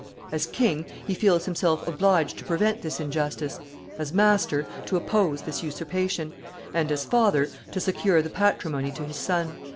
As king, he feels himself obliged to prevent this injustice; as master, to oppose this usurpation; and, as father, to secure the patrimony to his son.